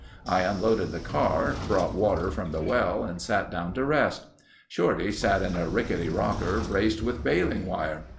I unloaded the car, brought water from the well and sat down to rest. Shorty sat in a rickety rocker braced with baling wire.